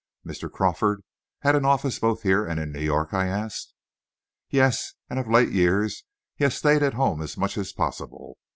"Mr. Crawford had an office both here and in New York?" I asked. "Yes; and of late years he has stayed at home as much as possible.